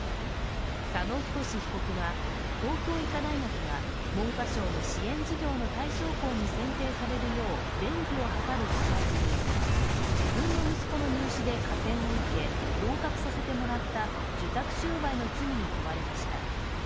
佐野太被告は、東京医科大学が文科省の支援事業の対象校に選定されるよう便宜を図る見返りに自分の息子の入試で加点を受け合格させてもらった受託収賄の罪に問われました。